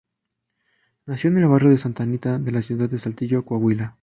Nació en el barrio de Santa Anita de la ciudad de Saltillo, Coahuila.